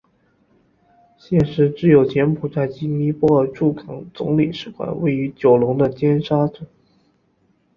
现时只有柬埔寨及尼泊尔驻港总领事馆位于九龙的尖沙咀。